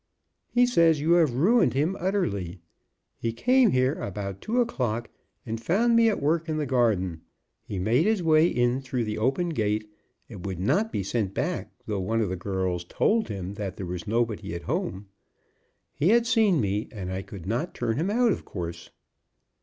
"He says you have ruined him utterly. He came here about two o'clock, and found me at work in the garden. He made his way in through the open gate, and would not be sent back though one of the girls told him that there was nobody at home. He had seen me, and I could not turn him out, of course."